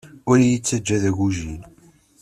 Ur iyi-ttaǧǧa d agujil.